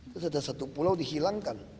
terus ada satu pulau dihilangkan